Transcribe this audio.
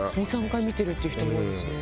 ２３回見てるっていう人も多いですね。